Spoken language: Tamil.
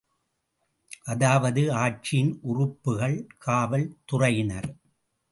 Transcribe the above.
அதாவது ஆட்சியின் உறுப்புக்கள் காவல் துறையினர்.